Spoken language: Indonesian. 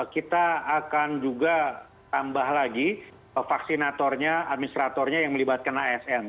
kita akan juga tambah lagi vaksinatornya administratornya yang melibatkan asn